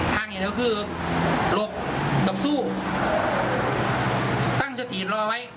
ทางแดงก็คือหลบนับสู้ตั้งสถิตรด้อไว้